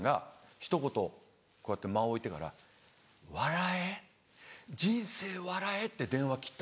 ひと言こうやって間を置いてから「笑え人生笑え」って電話切った。